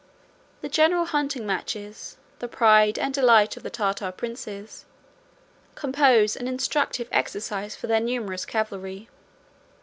The general hunting matches, the pride and delight of the Tartar princes, compose an instructive exercise for their numerous cavalry.